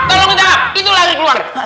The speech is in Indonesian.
tolong kita itu lari keluar